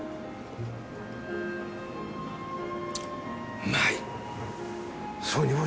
うまい。